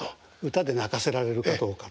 歌で泣かせられるかどうか。